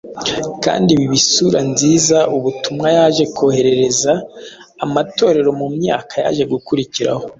kandi biha isura nziza ubutumwa yaje koherereza amatorero mu myaka yaje gukurikiraho